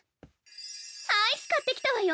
アイス買ってきたわよ